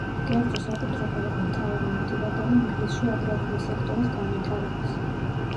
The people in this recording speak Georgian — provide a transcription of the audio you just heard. კერძო საკუთრება იყო მთავარი მოტივატორი ინგლისში აგრარული სექტორის განვითარების.